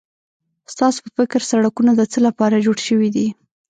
ستاسو په فکر سړکونه د څه لپاره جوړ شوي دي؟